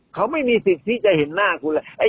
เขาไม่มีสิทธิ์ที่จะเห็นหน้าคุณเลย